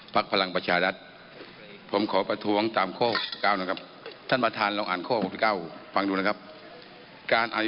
พรรคพลังประชารัฐศิริษฐรรมครับ